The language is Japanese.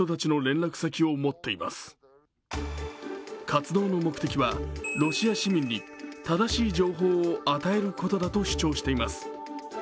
活動の目的は、ロシア市民に正しい情報を与えることだと主張しています。